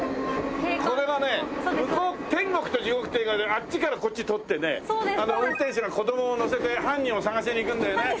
これはね『天国と地獄』って映画であっちからこっち撮ってね運転手が子供を乗せて犯人を捜しに行くんだよね。